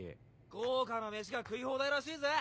豪華な飯が食い放題らしいぜ！